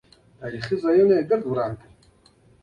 تاریخي ځایونه ویجاړ شول